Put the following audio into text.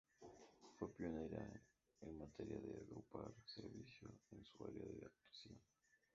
Fue pionera en materia de agrupar servicios en su área de actuación.